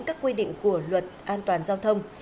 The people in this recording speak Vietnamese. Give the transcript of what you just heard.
các quy định của luật an toàn giao thông